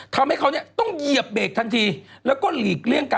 จะล้มนะโอ้ยอย่างเธอนี่อะ